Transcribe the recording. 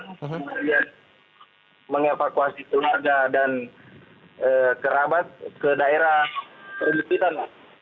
kemudian mengevakuasi keluarga dan kerabat ke daerah perbukitan